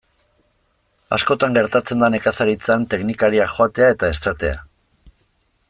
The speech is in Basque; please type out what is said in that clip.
Askotan gertatzen da nekazaritzan teknikariak joatea eta esatea.